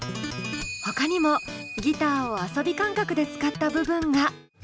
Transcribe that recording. ほかにもギターを遊び感覚で使った部分が。